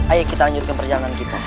ayo kita lanjutkan perjalanan kita